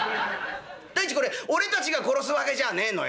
第一これ俺たちが殺す訳じゃねえのよ。